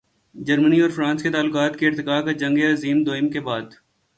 جرمنی اور فرانس کے تعلقات کے ارتقاء کا جنگ عظیم دوئم کے بعد۔